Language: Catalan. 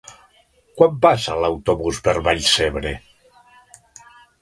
Quan passa l'autobús per Vallcebre?